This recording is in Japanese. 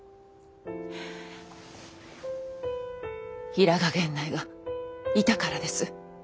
平賀源内がいたからです。